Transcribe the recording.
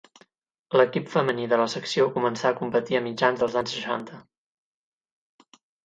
L'equip femení de la secció començà a competir a mitjans dels anys seixanta.